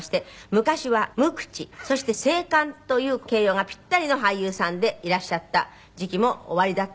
昔は無口そして精悍という形容がピッタリの俳優さんでいらっしゃった時期もおありだったと。